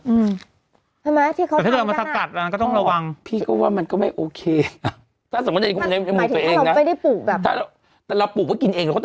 อือใช่ไหมที่เขาทำกันอะอ๋อพี่ก็ว่ามันก็ไม่โอเคน่ะถ้าสมมุติในมุมตัวเองนะแต่เราปลูกแล้วกินเอง